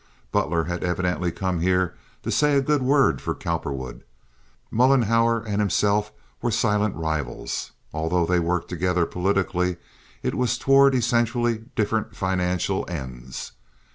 Butler had evidently come here to say a good word for Cowperwood. Mollenhauer and himself were silent rivals. Although they worked together politically it was toward essentially different financial ends.